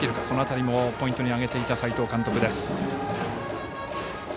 その辺りもポイントに挙げていた斎藤監督です。